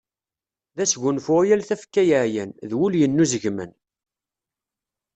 D asgunfu i yal tafekka yeɛyan, d wul yenuzegmen.